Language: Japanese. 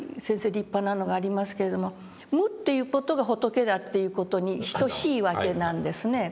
立派なのがありますけれども無っていう事が仏だっていう事に等しいわけなんですね。